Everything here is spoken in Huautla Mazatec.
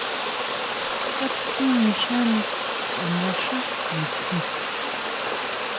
¿Ju tjín nixani kuanga xá nitjín?